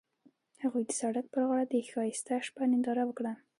هغوی د سړک پر غاړه د ښایسته شپه ننداره وکړه.